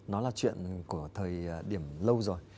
nó là chuyện của thời điểm lâu rồi